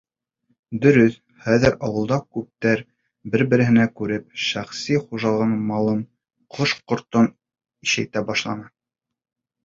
Дөрөҫ, хәҙер ауылда күптәр, бер-береһенән күреп, шәхси хужалығында малын, ҡош-ҡортон ишәйтә башланы.